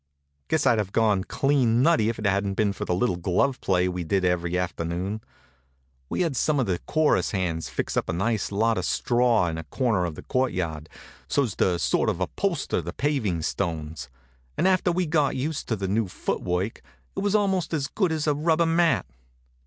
Guess I'd have gone clean nutty if it hadn't been for the little glove play we did every afternoon. We had some of the chorus hands fix up a nice lot of straw in a corner of the courtyard, so's to sort of upholster the paving stones, and after we got used to the new foot work it was almost as good as a rubber mat.